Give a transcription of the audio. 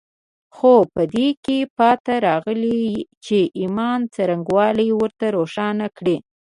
خو په دې کې پاتې راغلي چې د ايمان څرنګوالي ورته روښانه کړي.